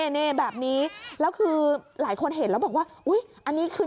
นี่แบบนี้แล้วคือหลายคนเห็นแล้วบอกว่าอุ๊ยอันนี้คือ